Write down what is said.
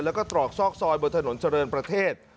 แล้วก็ตรอกซอกซอยบนถนนเจริญประเทศ